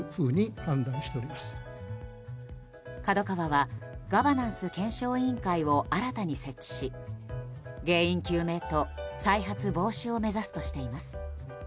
ＫＡＤＯＫＡＷＡはガバナンス検証委員会を新たに設置し、原因究明と再発防止を目指すとしています。